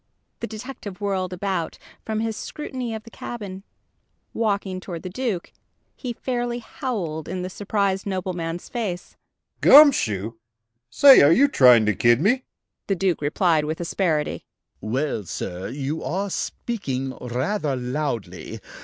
The detective whirled about, from his scrutiny of the cabin, walking toward the Duke. He fairly howled in the surprised nobleman's face: "Gum shoe! Say, are you trying to kid me?" The Duke replied with asperity: "Well, sir. You are speaking rather loudly.